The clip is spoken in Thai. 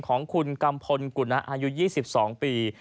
ของคุณกัมพลกุณะอายุ๒๒ปี